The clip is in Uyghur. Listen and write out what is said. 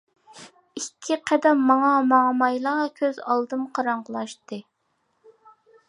ئىككى قەدەم ماڭا-ماڭمايلا كۆز ئالدىم قاراڭغۇلاشتى.